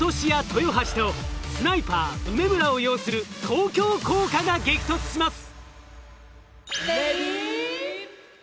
豊橋とスナイパー梅村を擁する東京工科が激突します。